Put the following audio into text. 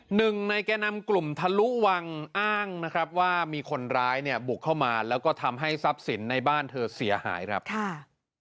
หนึ่งในแก่นำกลุ่มทะลุวังอ้างนะครับว่ามีคนร้ายเนี่ยบุกเข้ามาแล้วก็ทำให้ทรัพย์สินในบ้านเธอเสียหายครับค่ะ